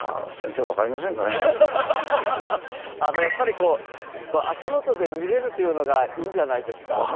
やっぱり足元で見れるというのがいいんじゃないですか。